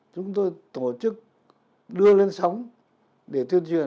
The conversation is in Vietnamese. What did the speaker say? chúng tôi tổ chức đưa lên sóng để tuyên truyền